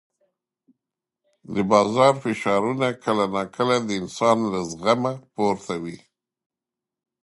د بازار فشارونه کله ناکله د انسان له زغمه پورته وي.